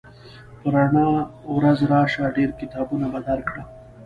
په رڼا ورځ راشه ډېر کتابونه به درکړم